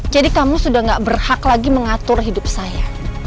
jadi kamu sudah gak berhak lagi mengatur hidup saya